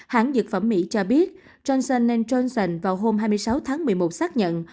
hãng dược phẩm mỹ cho biết johnson johnson vào hôm hai mươi sáu tháng một mươi một xác nhận